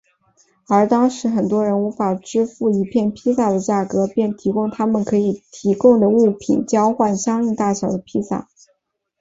而当时很多人无法支付一片披萨的价格便提供他们可以提供的物品交换相应大小的披萨。